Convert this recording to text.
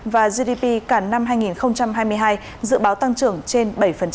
và gdp cả năm hai nghìn hai mươi hai dự báo tăng trưởng trên bảy